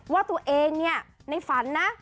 ว่าตัวเองเนี่ยในฝันนะ